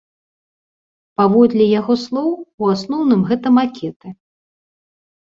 Паводле яго слоў, у асноўным гэта макеты.